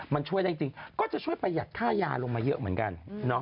มันช่วยได้จริงก็จะช่วยประหยัดค่ายาลงมาเยอะเหมือนกัน